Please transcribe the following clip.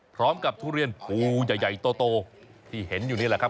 ทุเรียนภูใหญ่โตที่เห็นอยู่นี่แหละครับ